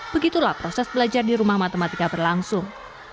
begitulah proses belajar di rumah matematika berlangsung